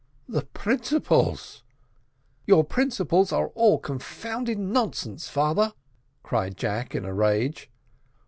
The principles " "Your principles are all confounded nonsense, father," cried Jack in a rage.